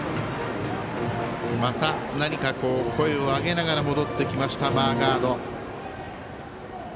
また何か声を上げながら戻ってきましたマーガード。